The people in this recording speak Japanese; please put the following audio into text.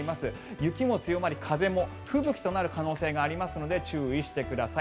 雪も強まり、風も吹雪となる可能性がありますので注意してください。